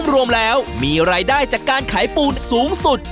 รวมแล้วมีรายได้จากการขายปูนสูงสุด